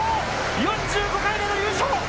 ４５回目の優勝！